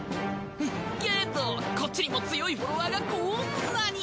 けどこっちにも強いフォロワーがこんなに！